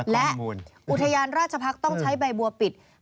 และอุทยานราชพักษ์ต้องใช้ใบบัวปิด